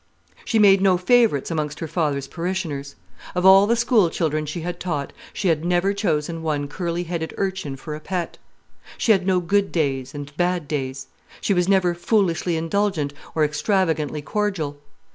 She made no favourites amongst her father's parishioners. Of all the school children she had taught, she had never chosen one curly headed urchin for a pet. She had no good days and bad days; she was never foolishly indulgent or extravagantly cordial.